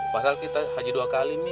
padahal kita haji dua kali nih